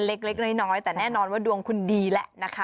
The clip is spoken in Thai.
เล็กน้อยแต่แน่นอนว่าดวงคุณดีแหละนะคะ